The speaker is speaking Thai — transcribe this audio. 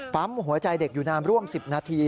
ปั๊มหัวใจเด็กอยู่นานร่วม๑๐นาที